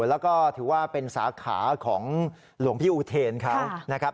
แล้วก็ถือว่าเป็นสาขาของหลวงพี่อุเทนเขานะครับ